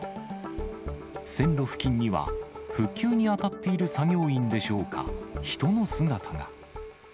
線路付近には、復旧に当たっている作業員でしょうか、人の姿が。